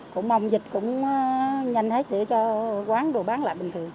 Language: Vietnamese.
cũng mong dịch cũng nhanh hết để cho quán đồ bán lại bình thường